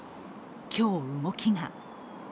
今日、動きが。